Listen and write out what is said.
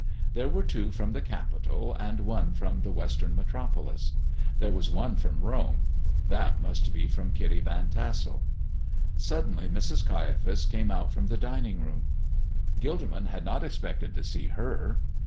There were two from the capital and one from the Western metropolis. There was one from Rome that must be from Kitty Van Tassle. Suddenly Mrs. Caiaphas came out from the dining room. Gilderman had not expected to see her.